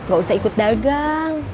gak usah ikut dagang